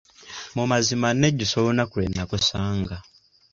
Mu mazima nnejjusa olunaku lwe nnakusanga.